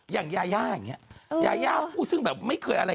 ยาย่าอย่างนี้ยาย่าพูดซึ่งแบบไม่เคยอะไร